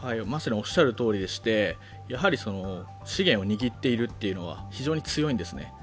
まさにおっしゃるとおりでして、やはり資源を握っているというのは非常に強いんですね。